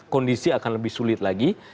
kondisi akan lebih sulit lagi